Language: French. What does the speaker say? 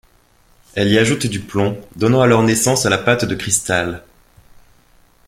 Elle y ajoute du plomb, donnant alors naissance à la pâte de cristal.